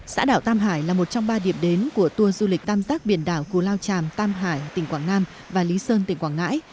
xã đảo tam hải là một trong ba điểm đến của tour du lịch tam giác biển đảo cù lao tràm tam hải tỉnh quảng nam và lý sơn tỉnh quảng ngãi